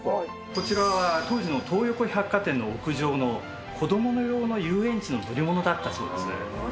こちらは当時の東横百貨店の屋上の子ども用の遊園地の乗り物だったそうです。